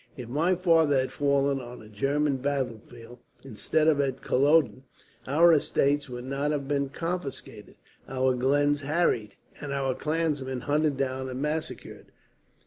If my father had fallen on a German battlefield, instead of at Culloden, our estates would not have been confiscated, our glens harried, and our clansmen hunted down and massacred.